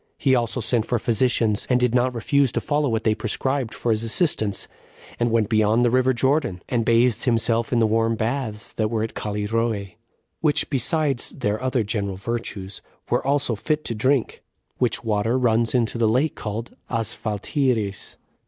He also sent for physicians, and did not refuse to follow what they prescribed for his assistance, and went beyond the river Jordan, and bathed himself in the warm baths that were at Callirrhoe, which, besides their other general virtues, were also fit to drink; which water runs into the lake called Asphaltiris.